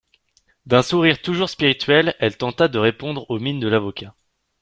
D'un sourire toujours spirituel elle tenta de répondre aux mines de l'avocat.